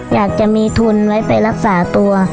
อยากจะมีทุนไว้ไปรักษาตัว